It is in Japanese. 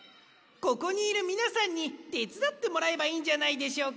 ここにいるみなさんにてつだってもらえばいいんじゃないでしょうか。